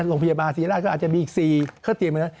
โรงพยาบาลสีราก็อาจจะมีอีก๔เค้าเตียงแบบนั้น